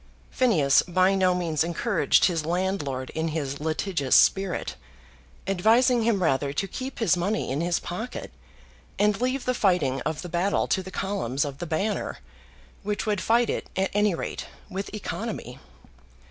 Phineas by no means encouraged his landlord in his litigious spirit, advising him rather to keep his money in his pocket, and leave the fighting of the battle to the columns of the Banner, which would fight it, at any rate, with economy.